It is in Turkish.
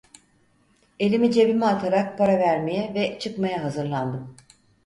Elimi cebime atarak para vermeye ve çıkmaya hazırlandım.